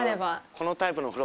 このタイプの風呂